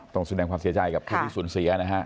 ต้องแสดงความเสียใจกับคนที่สูญเสียนะฮะ